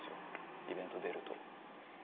イベント出ると。